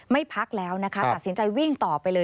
ไม่พักแล้วถาดสินใจวิ่งต่อไปเลย